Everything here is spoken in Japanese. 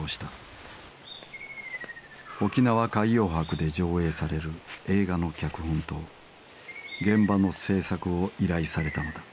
沖縄海洋博で上映される映画の脚本と現場の制作を依頼されたのだ。